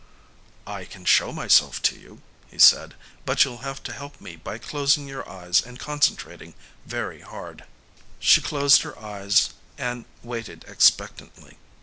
"I can show myself to you," he said, "but you'll have to help me by closing your eyes and concentrating very hard." She closed her eyes and waited expectantly.